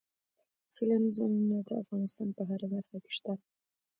سیلاني ځایونه د افغانستان په هره برخه کې شته.